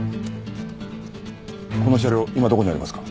この車両今どこにありますか？